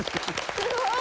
すごい。